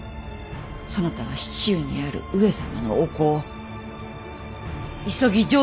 そなたは市中にある上様のお子を急ぎ城中にお迎えせよ！